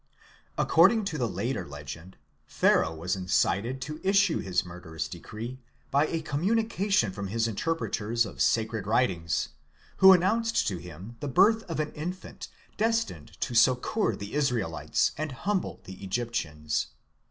According to the later legend, Pharaoh was incited to issue his murderous decree by a communication from his interpreters of the sacred writings, who announced to him the birth of an infant destined to succour the Israelites and humble the Egyptians.